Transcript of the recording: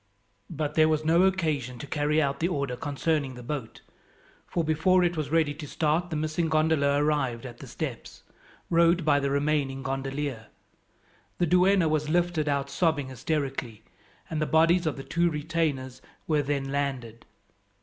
But there was no occasion to carry out the order concerning the boat, for before it was ready to start the missing gondola arrived at the steps, rowed by the remaining gondolier. The duenna was lifted out sobbing hysterically, and the bodies of the two retainers were then landed.